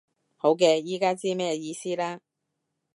好嘅，依家知咩意思啦